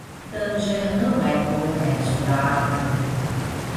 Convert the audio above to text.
Tânger não é como o resto da África.